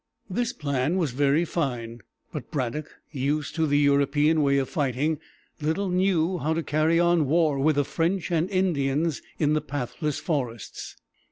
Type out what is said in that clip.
This plan was very fine; but Braddock, used to the European way of fighting, little knew how to carry on war with the French and Indians in the pathless forests.